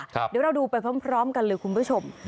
เดี๋ยวเราดูไปพร้อมกันเลยคุณผู้ชม